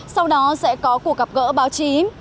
sau đó sẽ có cuộc gặp gỡ báo chí